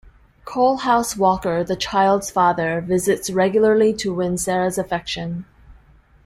Coalhouse Walker, the child's father, visits regularly to win Sarah's affections.